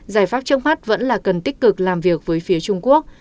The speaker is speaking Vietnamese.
giải pháp chống phát vẫn là cần tích cực làm việc với phía trung quốc